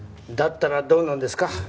だったらどうなんですか？